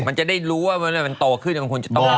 มันจะได้รู้ว่าเวลามันโตขึ้นมันควรจะต้อง